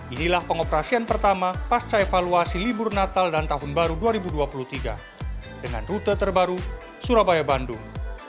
inilah pengoperasian pertama pasca evaluasi libur natal dan tahun baru dua ribu dua puluh tiga dengan rute terbaru surabaya bandung